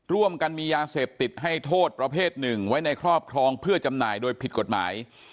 ร่วมกันมียาเสพติดให้โทษประเภทหนึ่งไว้ในครอบครองเพื่อจำหน่ายโดยผิดกฎหมาย